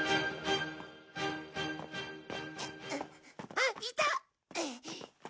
あっいた！